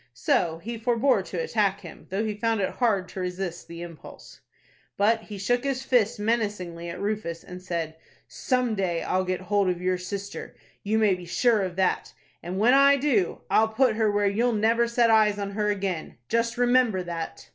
So he forbore to attack him, though he found it hard to resist the impulse. But he shook his fist menacingly at Rufus, and said, "Some day I'll get hold of your sister, you may be sure of that, and when I do, I'll put her where you'll never set eyes on her again. Just remember that!"